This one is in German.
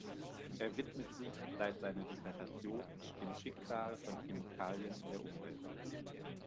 Er widmet sich seit seiner Dissertation dem Schicksal von Chemikalien in der Umwelt.